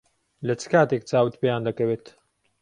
لە چ کاتێک چاوت پێیان دەکەوێت؟